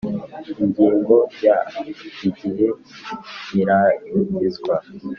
ingingo ya igihe irangizwa